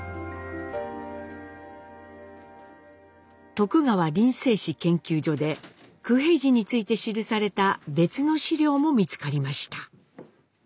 徳川林政史研究所で九平治について記された別の資料も見つかりました。